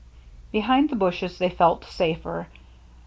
Behind the bushes they felt safer.